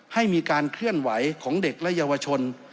ให้มีการเคลื่อนไหวของเด็กและเยาวชน